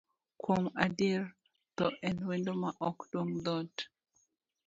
Kuom adier, thoo en wendo ma ok duong' dhoot.